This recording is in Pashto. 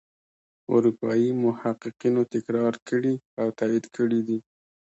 اروپايي محققینو تکرار کړي او تایید کړي دي.